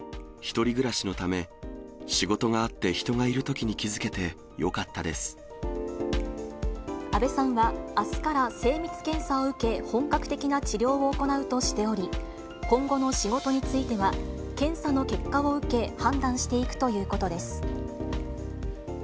１人暮らしのため、仕事があって、人がいるときに気付けてよかったあべさんは、あすから精密検査を受け、本格的な治療を行うとしており、今後の仕事については、検査の結果を受け、判断していくということです。